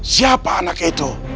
siapa anak itu